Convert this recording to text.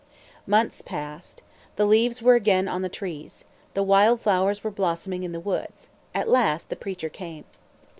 Months passed. The leaves were again on the trees. The wild flowers were blossoming in the woods. At last the preacher came.